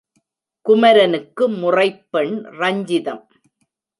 குமரனுக்கு முறைப்பெண் ரஞ்சிதம்.